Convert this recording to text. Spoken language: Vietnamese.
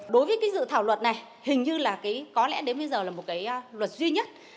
đối với dự thảo luật này hình như là có lẽ đến bây giờ là một luật duy nhất